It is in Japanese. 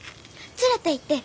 連れていって！